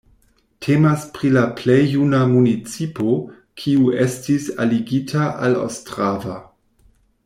Temas pri la plej juna municipo, kiu estis aligita al Ostrava.